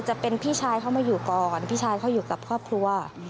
จะเป็นพี่ชายเขามาอยู่ก่อนพี่ชายเขาอยู่กับครอบครัว